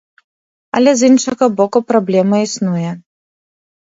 Але з іншага боку, праблема існуе.